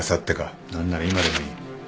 何なら今でもいい。